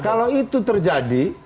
kalau itu terjadi